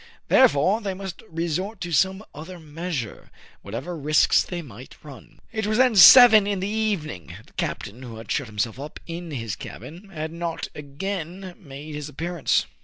Therefore they must resort to some other measure, whatever risks they might run. It was then seven in the evening. The captain, who had shut himself up in his cabin, had not again made his appearance.